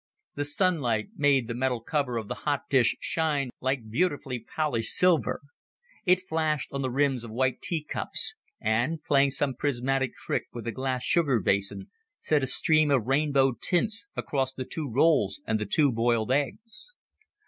The sunlight made the metal cover of the hot dish shine like beautifully polished silver; it flashed on the rims of white teacups, and, playing some prismatic trick with the glass sugar basin, sent a stream of rainbow tints across the two rolls and the two boiled eggs.